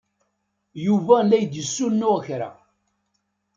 Yuba la d-yessunuɣ kra.